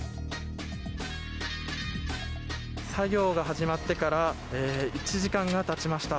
作業が始まってから１時間がたちました。